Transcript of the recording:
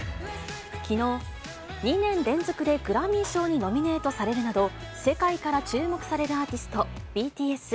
きのう、２年連続でグラミー賞にノミネートされるなど、世界から注目されるアーティスト、ＢＴＳ。